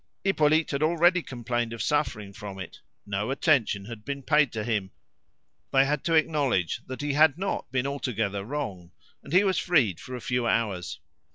Hippolyte had already complained of suffering from it. No attention had been paid to him; they had to acknowledge that he had not been altogether wrong, and he was freed for a few hours.